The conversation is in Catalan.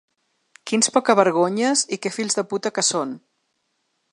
Quins pocavergonyes i que fills de puta que són!